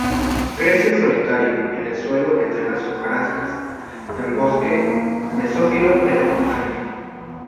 Crece solitario, en el suelo entre la hojarasca, en bosque mesófilo de montaña.